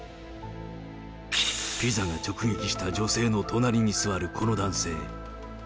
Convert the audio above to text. ピザが直撃した女性の隣に座るこの男性。